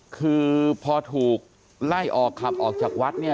คือพอถูกไล่ออกขับออกจากวัดเนี่ย